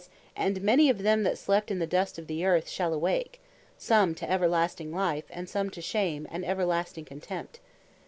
2. "And many of them that sleep in the dust of the Earth, shall awake; some to Everlasting life; and some to shame, and everlasting contempt."